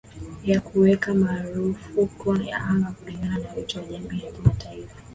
ya kuweka marufuku ya anga kulingana na wito wa jamii ya kimataifa